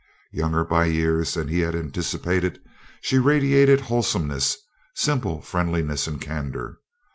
Younger by years than he had anticipated, she radiated wholesomeness, simple friendliness and candor.